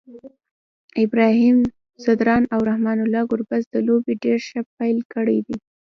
ابراهیم ځدراڼ او رحمان الله ګربز د لوبي ډير ښه پیل کړی دی